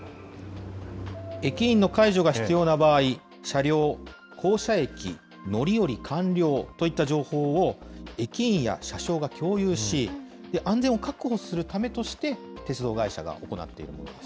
駅員の介助が必要な場合、車両、降車駅、乗り降り完了といった情報を、駅員や車掌が共有し、安全を確保するためとして鉄道会社が行っているものです。